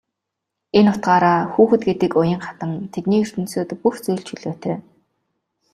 Энэ утгаараа хүүхэд гэдэг уян хатан тэдний ертөнцөд бүх зүйл чөлөөтэй.